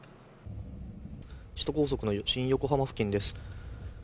首都高速の新横浜付近です。